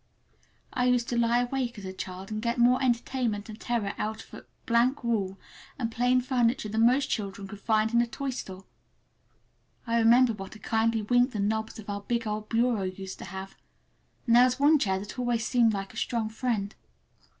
I used to lie awake as a child and get more entertainment and terror out of blank walls and plain furniture than most children could find in a toy store. I remember what a kindly wink the knobs of our big old bureau used to have, and there was one chair that always seemed like a strong friend.